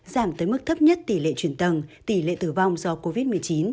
giảm tới mức thấp nhất tỉ lệ chuyển tầng tỉ lệ tử vong do covid một mươi chín